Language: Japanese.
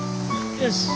よし。